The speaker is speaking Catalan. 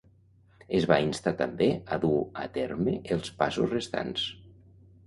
Es va instar també a dur a terme els passos restants.